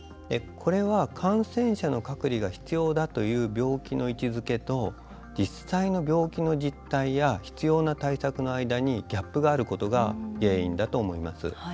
これは感染者の隔離が必要だという病気の位置づけと実際の病気の実態や必要な対策の間にギャップがあることが原因だと思います。